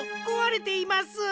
こわれています！